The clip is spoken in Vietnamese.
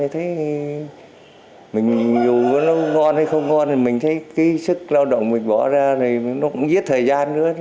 thì dù nó ngon hay không ngon thì mình thấy cái sức lao động mình bỏ ra thì nó cũng giết thời gian nữa